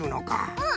うん。